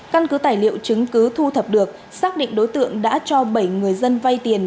căn cứ tài liệu chứng cứ thu thập được xác định đối tượng đã cho bảy người dân vay tiền